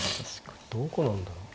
どこなんだろう。